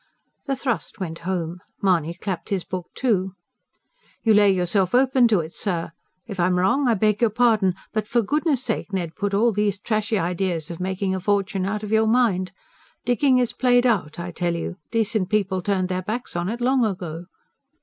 The thrust went home. Mahony clapped his book to. "You lay yourself open to it, sir! If I'm wrong, I beg your pardon. But for goodness' sake, Ned, put all these trashy ideas of making a fortune out of your mind. Digging is played out, I tell you. Decent people turned their backs on it long ago."